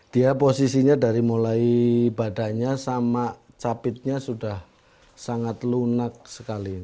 dia posisinya dari mulai badannya sama capitnya sudah sangat lunak sekali